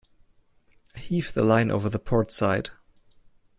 Heave the line over the port side.